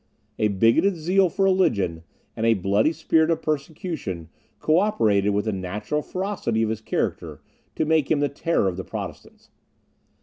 A bigoted zeal for religion, and a bloody spirit of persecution, co operated, with the natural ferocity of his character, to make him the terror of the Protestants.